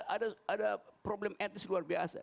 ada problem etis luar biasa